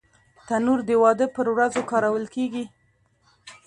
تنور د واده پر ورځو کارول کېږي